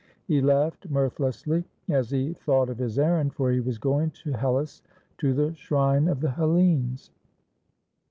He laughed mirth lessly as he thought of his errand, for he was going to Hellas, to the shrine of the Hellenes.